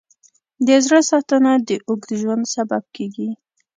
د زړه ساتنه د اوږد ژوند سبب کېږي.